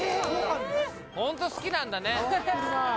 ホント好きなんだね